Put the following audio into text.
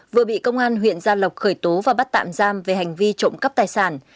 vừa bị công an huyện gia lộc khởi tố và bắt tạm giam về hành vi trộm cắp tài sản